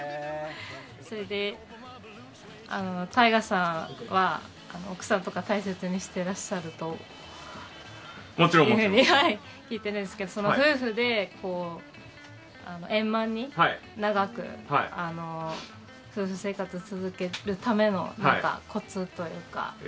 それでＴＡＩＧＡさんは奥さんとか大切にしてらっしゃるというふうに聞いているんですけど円満に長く夫婦生活を続けるためのコツというか。